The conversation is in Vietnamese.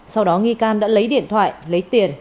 sau đó nghi can đã lấy điện thoại lấy tiền